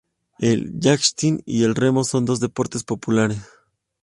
El yachting y el remo son dos deportes populares.